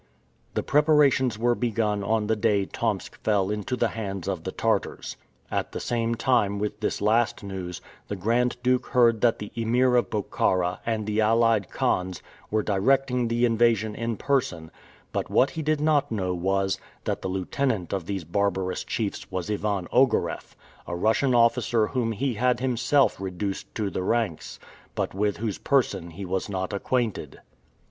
The preparations were begun on the day Tomsk fell into the hands of the Tartars. At the same time with this last news, the Grand Duke heard that the Emir of Bokhara and the allied Khans were directing the invasion in person, but what he did not know was, that the lieutenant of these barbarous chiefs was Ivan Ogareff, a Russian officer whom he had himself reduced to the ranks, but with whose person he was not acquainted.